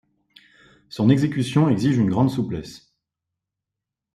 Son exécution exige une grande souplesse.